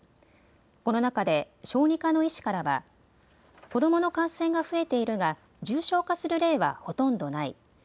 この中で、小児科の医師からは子どもの感染が増えているが重症化する例はほとんどない。